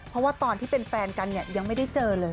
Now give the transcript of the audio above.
เพราะว่าตอนที่เป็นแฟนกันเนี่ยยังไม่ได้เจอเลย